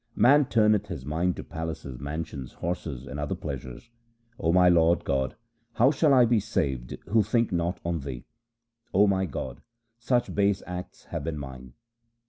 Man turneth his mind to palaces, mansions, horses, and other pleasures. O my Lord God, how shall I be saved who think not on Thee? 0 my God, such base acts have been mine.